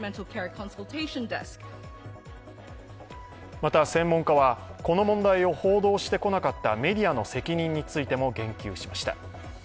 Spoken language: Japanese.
また、専門家はこの問題を報道してこなかったメディアの責任についても言及しました。